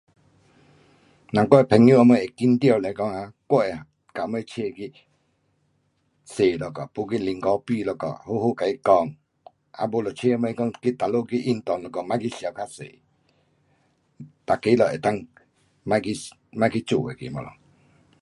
若是讲我的朋友什么会紧张来讲啊，我会跟他们找那个去坐一下，没去喝 kopi 一下，好好跟他讲，啊没就找他们讲去哪里运动一下，甭去想较多，每个都能够甭去，甭去做那个东西。